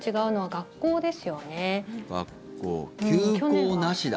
休校なしだ！